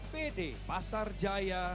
pt pasar jaya